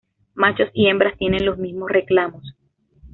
Machos y hembras tienen los mismos reclamos.